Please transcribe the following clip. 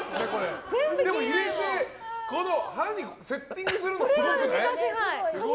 入れて、歯にセッティングするのすごくない？